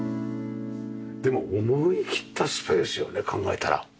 でも思い切ったスペースよね考えたら。